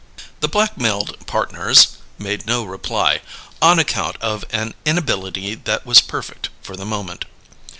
The blackmailed partners made no reply, on account of an inability that was perfect for the moment.